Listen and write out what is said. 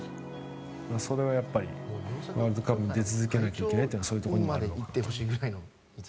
それがやっぱりワールドカップに出続けなきゃいけないというのはそういうところにあるのかなと。